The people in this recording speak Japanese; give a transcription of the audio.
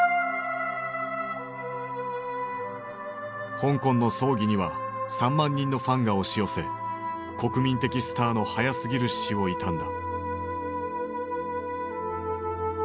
香港の葬儀には３万人のファンが押し寄せ国民的スターの早すぎる死を悼んだ。